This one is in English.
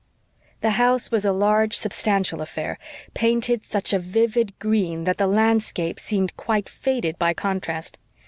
The house was a large, substantial affair, painted such a vivid green that the landscape seemed quite faded by contrast.